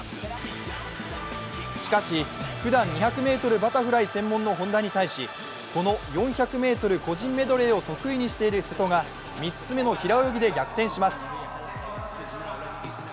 しかし、ふだん２００ｍバタフライ専門の本多に対しこの４００ｍ個人メドレーを得意にしている瀬戸が３つ目の平泳ぎで逆転します。